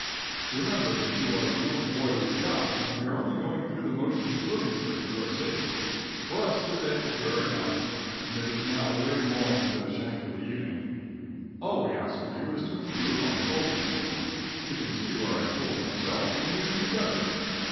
Remember that you are the only boy we've got, and we are only going through the motions of living here for your sake. For us the day is wearing out, and it is now way long into the shank of the evening. All we ask of you is to improve on the old people. You can see where I fooled myself, and you can do better.